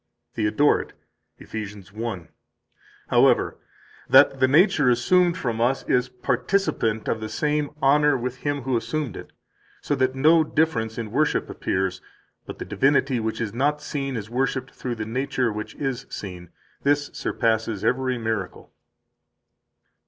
32 THEODORET, Eph. 1 (t. 3, p. 297, ed. Paris, 1642): "However, that the nature assumed from us is participant of the same honor with Him who assumed it, so that no difference in worship appears, but the divinity which is not seen is worshiped through the nature which is seen, – this surpasses every miracle."